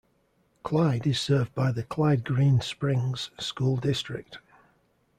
Clyde is served by the Clyde-Green Springs school district.